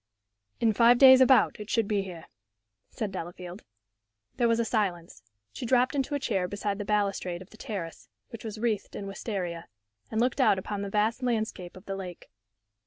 "In five days, about, it should be here," said Delafield. There was a silence. She dropped into a chair beside the balustrade of the terrace, which was wreathed in wistaria, and looked out upon the vast landscape of the lake.